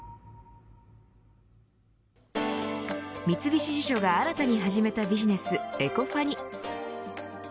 三菱地所が新たに始めたビジネスエコファニ。